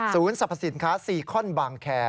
ศูนย์สรรพสินค้าสี่ข้อนบางแคร์